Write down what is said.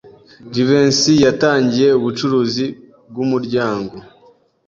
Jivency yatangiye ubucuruzi bwumuryango.